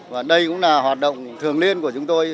và đây cũng là hoạt động thường liên của chúng tôi